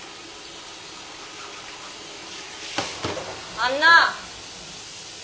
あんな！